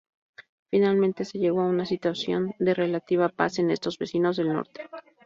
Finalmente, se llegó a una situación de relativa paz con estos vecinos del norte.